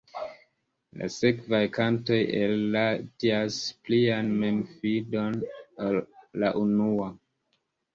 La sekvaj kantoj elradias plian memfidon, ol la unua.